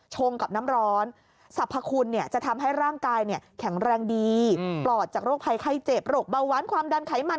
ชงกับน้ำร้อนสรรพคุณจะทำให้ร่างกายแข็งแรงดีปลอดจากโรคภัยไข้เจ็บโรคเบาหวานความดันไขมัน